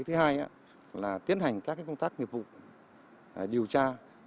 thứ hai là tiến hành các công tác nghiệp vụ điều tra